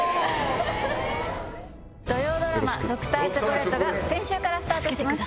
土曜ドラマ『Ｄｒ．チョコレート』が先週からスタートしました。